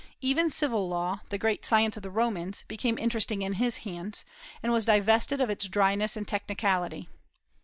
Even civil law, the great science of the Romans, became interesting in his hands, and was divested of its dryness and technicality.